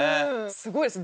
すごいですね。